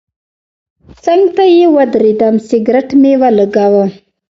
څنګ ته یې ودرېدم سګرټ مې ولګاوه.